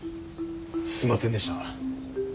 すいませんでした。